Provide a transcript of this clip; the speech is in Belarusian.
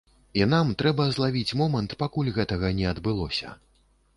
І нам трэба злавіць момант, пакуль гэтага не адбылося.